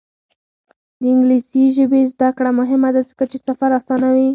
د انګلیسي ژبې زده کړه مهمه ده ځکه چې سفر اسانوي.